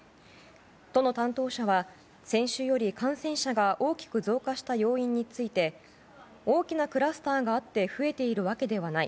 都の担当者は先週より感染者が大きく増加した要因について大きなクラスターがあって増えているわけではない。